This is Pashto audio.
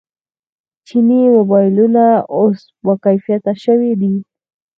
چیني موبایلونه اوس باکیفیته شوي دي.